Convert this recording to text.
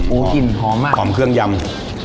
กลิ่นหอมมากหอมเครื่องยำ